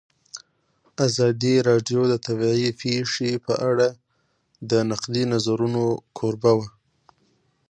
ازادي راډیو د طبیعي پېښې په اړه د نقدي نظرونو کوربه وه.